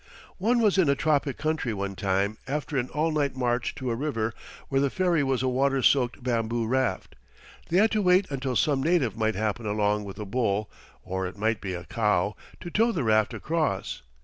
One was in a tropic country one time after an all night march to a river where the ferry was a water soaked bamboo raft. They had to wait until some native might happen along with a bull or it might be a cow to tow the raft across.